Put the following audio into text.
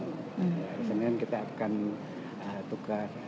hari senin kita akan tukar